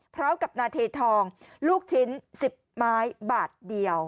เพราะกับนาเทศทองลูกชิ้น๑๐ไม้บาทเดียว